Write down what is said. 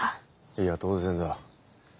いや当然だ。